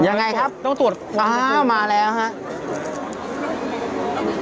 ยังไงครับต้องตรวจอ้าวมาแล้วครับ